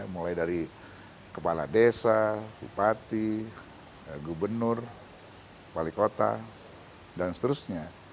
mulai dari kepala desa bupati gubernur wali kota dan seterusnya